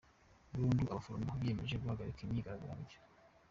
Burundi Abaforomo biyemeje guhagarika imyigaragambyo